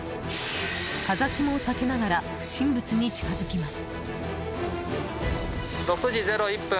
風下を避けながら不審物に近づきます。